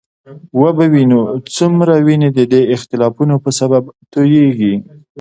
وبه وینو څومره وینې د دې اختلافونو په سبب تویېږي.